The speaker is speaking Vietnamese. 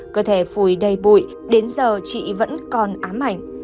cơ thể phùi đầy bụi đến giờ chị vẫn còn ám ảnh